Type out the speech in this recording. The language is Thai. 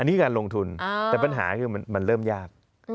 อันนี้การลงทุนแต่ปัญหาคือมันเริ่มยาก